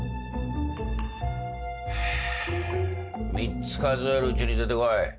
ハァ３つ数えるうちに出てこい。